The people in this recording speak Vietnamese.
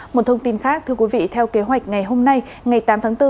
một thông tin khác theo kế hoạch ngày hôm nay ngày tám tháng bốn